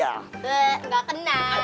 eeeh gak kena